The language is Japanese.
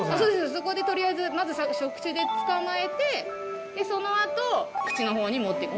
そこでとりあえずまず触手で捕まえてそのあと口の方に持っていく。